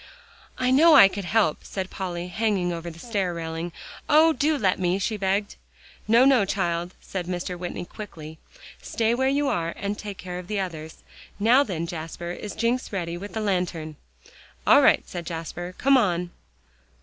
"I know I could help," said Polly, hanging over the stair railing. "Oh! do let me," she begged. "No, no, child," said Mr. Whitney, quickly. "Stay where you are, and take care of the others. Now, then, Jasper, is Jencks ready with the lantern?" "All right," said Jasper. "Come on."